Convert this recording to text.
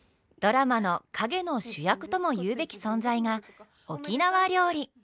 ドラマの陰の主役ともいうべき存在が沖縄料理。